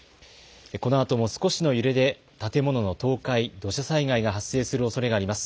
このあとも少しの揺れで建物の倒壊、土砂災害が発生するおそれがあります。